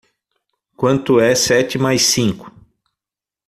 Quanto é sete mais cinco.